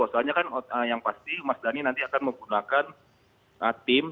soalnya kan yang pasti mas dhani nanti akan menggunakan tim